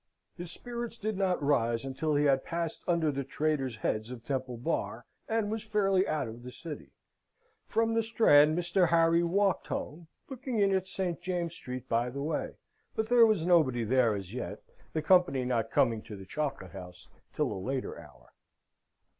His spirits did not rise until he had passed under the traitors' heads of Temple Bar, and was fairly out of the City. From the Strand Mr. Harry walked home, looking in at St. James's Street by the way; but there was nobody there as yet, the company not coming to the Chocolate House till a later hour.